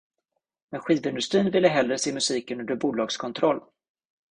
Men skivindustrin ville hellre se musiken under bolagskontroll.